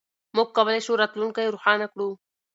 موږ کولای شو راتلونکی روښانه کړو.